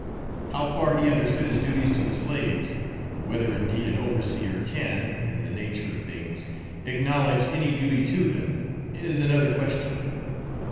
How far he understood his duties to the slaves, or whether indeed an overseer can, in the nature of things, acknowledge any duty to them, is another question.